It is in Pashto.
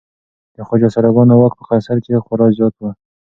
د خواجه سراګانو واک په قصر کې خورا زیات و.